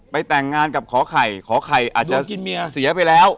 ไปแต่งงานกับขอไข่ขอไข่อาจจะเสียไปแล้ว